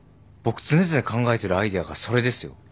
僕常々考えてるアイデアがそれですよ。